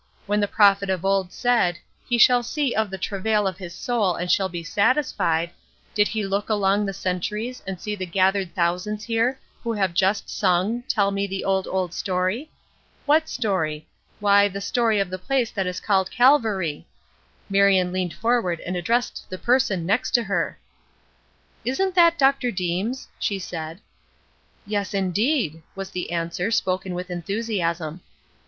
When the prophet of old said, 'He shall see of the travail of his soul and shall be satisfied,' did he look along the centuries and see the gathered thousands here, who have just sung, 'Tell me the old, old story'? What story? Why, the story of the place that is called Calvary!" Marion leaned forward and addressed the person next to her. "Isn't that Dr. Deems?" she said. "Yes indeed!" was the answer, spoken with enthusiasm.